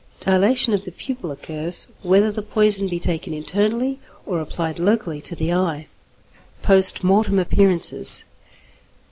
Dilatation of the pupil occurs, whether the poison be taken internally or applied locally to the eye. _Post Mortem Appearances.